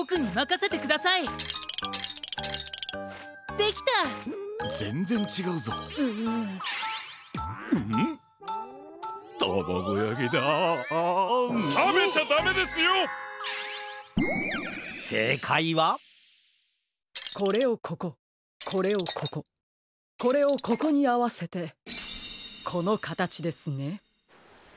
せいかいはこれをこここれをこここれをここにあわせてこのかたちですね。